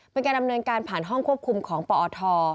เป็นการดำเนินการผ่านห้องควบคุมของปอท